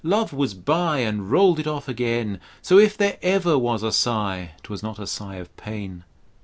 Love was by And rollM it off again ; So, if there ever was a sigh, 'Twas not a sigh of pain.